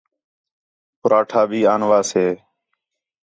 پُراٹھا بھی آنوا سے